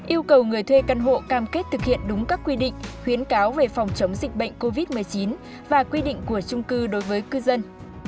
yêu cầu người thuê căn hộ cam kết thực hiện đúng các quy định khuyến cáo về phòng chống dịch bệnh covid một mươi chín và quy định của trung cư đối với cư dân